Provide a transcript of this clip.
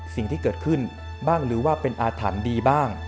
สิ่งที่เกิดขึ้นบ้างหรือว่าเป็นอาถรรพ์ดีบ้าง